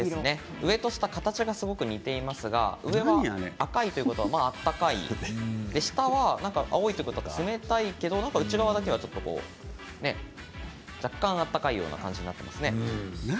上と下は形がすごく似ていますが上は赤いということは暖かい、下は青いということは冷たいけれども、内側だけはちょっと若干暖かいような感じになっていますね。